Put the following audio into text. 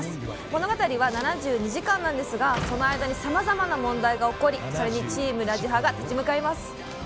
物語は７２時間なんですがその間にさまざまな問題が起こりそれにチーム「ラジハ」が立ち向かいます。